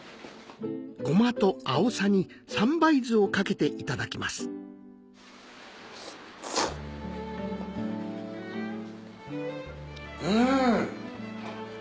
ゴマとあおさに三杯酢をかけていただきますん！